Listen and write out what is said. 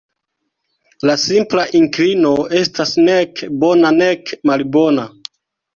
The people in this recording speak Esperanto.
La simpla inklino estas nek bona nek malbona.